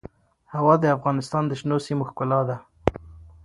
هوا د افغانستان د شنو سیمو ښکلا ده.